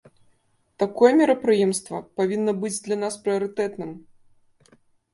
Такое мерапрыемства павінна быць для нас прыярытэтным.